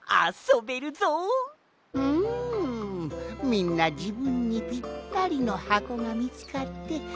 みんなじぶんにぴったりのはこがみつかってよかったのう。